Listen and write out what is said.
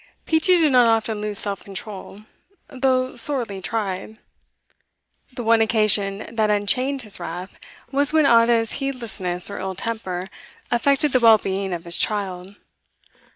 Peachey did not often lose self control, though sorely tried; the one occasion that unchained his wrath was when Ada's heedlessness or ill temper affected the well being of his child.